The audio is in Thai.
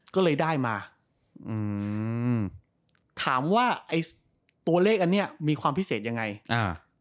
ก็เลยได้มาอืมถามว่าไอ้ตัวเลขอันเนี้ยมีความพิเศษยังไงอ่า